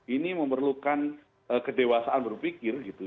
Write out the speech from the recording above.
ini memerlukan kedewasaan berpikir gitu